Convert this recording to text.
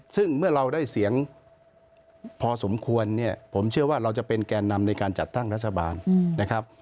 ซึ่งเมื่อเราได้เสียงพอสมควรเนี่ยผมเชื่อว่าเราจะเป็นแก่นำในการจัดตั้งรัฐบาลนะครับ